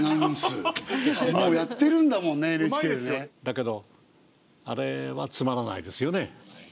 だけどあれはつまらないですよね。